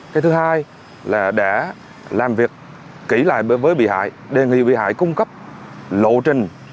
cái thứ hai là đã làm việc kỹ lại với bị hại đề nghị bị hại cung cấp lộ trình